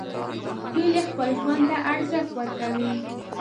هیلۍ خپل ژوند ته ارزښت ورکوي